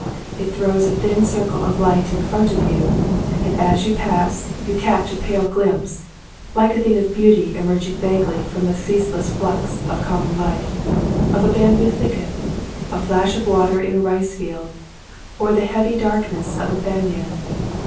It throws a thin circle of light in front of you, and as you pass you catch a pale glimpse (like a thing of beauty emerging vaguely from the ceaseless flux of com mon life) of a bamboo thicket, a flash of water in a rice field, or the heavy darkness of a banyan.